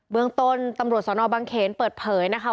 เมืองต้นตำรวจสนบังเขนเปิดเผยนะคะ